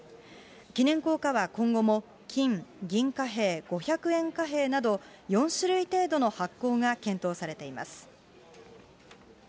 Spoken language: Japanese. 記念硬貨は今後も金、銀貨幣、五百円貨幣など４種類程度の発行が検討されています。